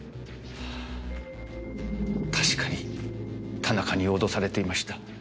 確かに田中に脅されていました。